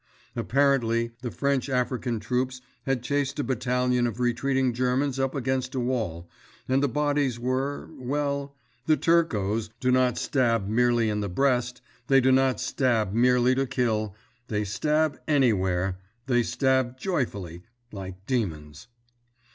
Apparently, the French African troops had chased a battalion of retreating Germans up against a wall, and the bodies were, well—the "Turcos" do not stab merely in the breast—they do not stab merely to kill—they stab anywhere, they stab joyfully, like demons.